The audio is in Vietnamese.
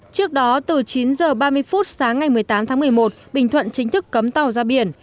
trước đó từ chín h ba mươi phút sáng ngày một mươi tám tháng một mươi một bình thuận chính thức cấm tàu ra biển